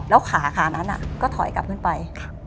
แล้วขาขานั้นก็ถอยกลับขึ้นไป